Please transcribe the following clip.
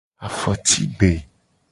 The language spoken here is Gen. Afotigbe.